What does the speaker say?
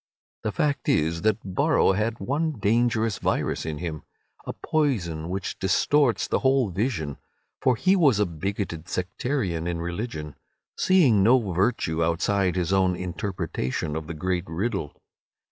The fact is that Borrow had one dangerous virus in him—a poison which distorts the whole vision—for he was a bigoted sectarian in religion, seeing no virtue outside his own interpretation of the great riddle.